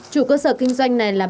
chủ cơ sở kinh doanh này là